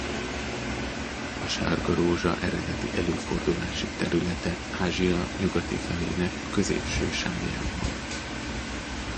A sárga rózsa eredeti előfordulási területe Ázsia nyugati felének a középső sávján van.